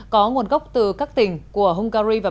có nguồn gốc từ các tỉnh của hungary và bắc đông